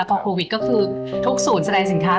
โควิดก็คือทุกศูนย์แสดงสินค้า